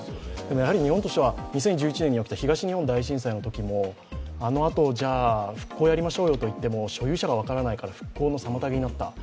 やはり日本としては２０１１年に起きた東日本大震災のときもあのあと、復興をやりましょうよといっても所有者が分からないから復興の妨げとなった。